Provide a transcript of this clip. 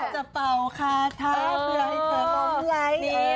จะเป่าค่าถ้าเบื่อให้เธอบอมไลค์เนี่ย